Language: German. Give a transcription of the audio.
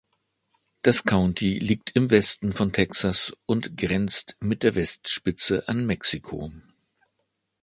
Das County liegt im Westen von Texas und grenzt mit der Westspitze an Mexiko.